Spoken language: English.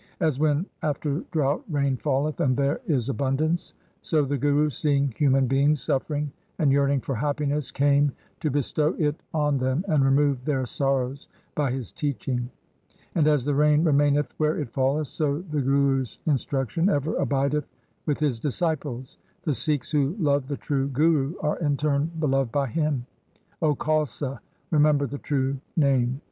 As when after drought rain falleth and there is abundance, so the Guru, seeing human beings suffering and yearning for happiness, came to bestow it on them and remove their sorrows by his teaching. And as the rain remaineth where it falleth, so the Guru's instruction ever abideth with his disciples. The Sikhs who love the true Guru are in turn beloved by him. O Khalsa, remember the true Name.